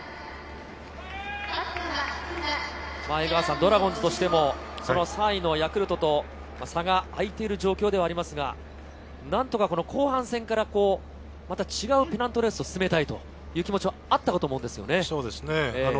ドラゴンズとしても、３位のヤクルトと差が開いている状況ではありますが何とか後半戦からまた違うペナントレースを進めたいという気持ちはあったかと思います。